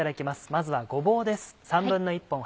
まずはごぼうです。